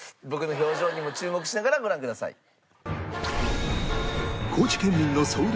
僕の表情にも注目しながらご覧ください。